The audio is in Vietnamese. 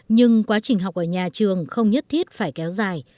nhưng quá trình học ở nhà trường không nhất thiết phải kéo dài